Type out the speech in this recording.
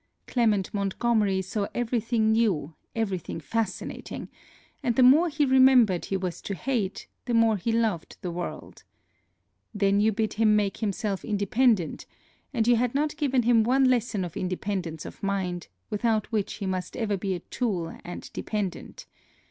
Clement Montgomery saw every thing new, every thing fascinating; and the more he remembered he was to hate, the more he loved the world. Then you bid him make himself independent, and you had not given him one lesson of independence of mind, without which he must ever be a tool and dependent.